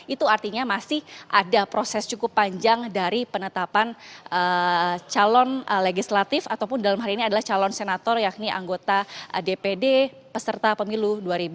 itu artinya masih ada proses cukup panjang dari penetapan calon legislatif ataupun dalam hal ini adalah calon senator yakni anggota dpd peserta pemilu dua ribu sembilan belas